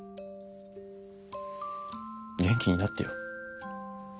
元気になってよ。